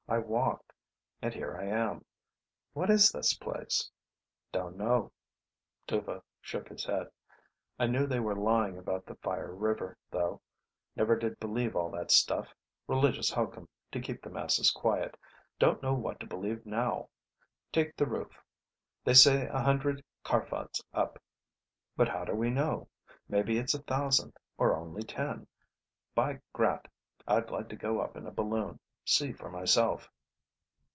I walked ... and here I am. What is this place?" "Don't know." Dhuva shook his head. "I knew they were lying about the Fire River, though. Never did believe all that stuff. Religious hokum, to keep the masses quiet. Don't know what to believe now. Take the roof. They say a hundred kharfads up; but how do we know? Maybe it's a thousand or only ten. By Grat, I'd like to go up in a balloon, see for myself."